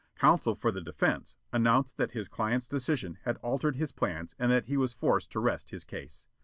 Counsel for the defense announced that his client's decision had altered his plans and that he was forced to rest his case.